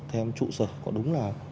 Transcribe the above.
thêm trụ sở có đúng là